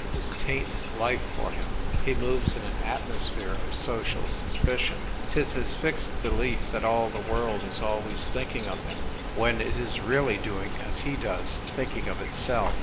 This taints life for him : he moves in an at mosphere of social suspicion^ 'Tis his fixed belief that all the world is always thinking of him, when it is really doing as he does — thinking of itself.